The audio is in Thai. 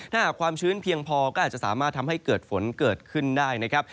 ถ้าหากความชื้นเพียงพอก็อาจจะสามารถทำให้เกิดฝนเกิดขึ้นได้นะครับ